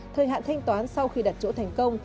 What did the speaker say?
thời hạn thanh toán sau khi đặt chỗ thành công